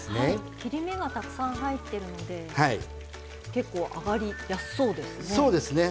切り目がたくさん入っているので結構、揚がりやすそうですね。